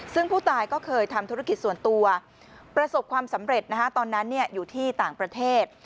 ซึ่งผู้ตายก็เคยทำธุรกิจส่วนตัวประสบความสำเร็จตอนนั้นอยู่ที่ต่างประเทศ